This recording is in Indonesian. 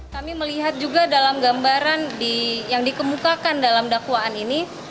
kami melihat juga dalam gambaran yang dikemukakan dalam dakwaan ini